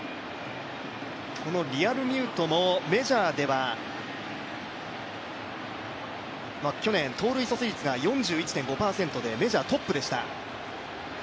このリアルミュートもメジャーでは去年、盗塁阻止率が４１．５％でメジャートップでした。